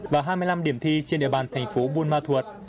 và hai mươi năm điểm thi trên địa bàn thành phố buôn ma thuột